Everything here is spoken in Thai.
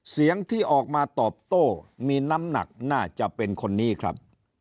เสียงที่ออกมาตอบโต้มีน้ำหนักน่าจะเป็นคนนี้ครับ